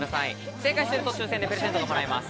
正解すると抽選でプレゼントがもらえます。